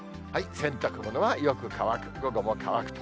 洗濯物はよく乾く、午後も乾くと。